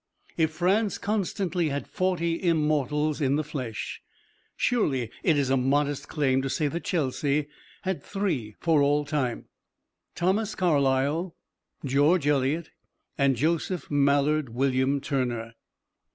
If France constantly has forty Immortals in the flesh, surely it is a modest claim to say that Chelsea has three for all time: Thomas Carlyle, George Eliot and Joseph Mallord William Turner.